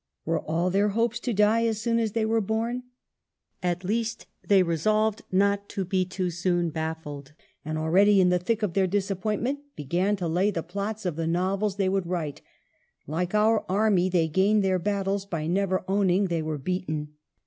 Were all their hopes to die as soon as they were born ? At least they resolved not to be too soon baffled, 190 EMILY BRONTE. and already, in the thick of their disappointment, began to lay the plots of the novels they would write. Like our army, they gained their battles by never owning they were beaten.